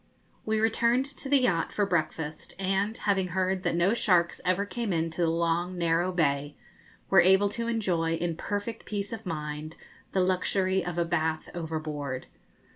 We returned to the yacht for breakfast, and, having heard that no sharks ever came into the long, narrow bay, were able to enjoy, in perfect peace of mind, the luxury of a bath overboard.